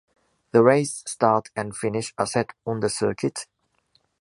The race’s start and finish are set on the circuit.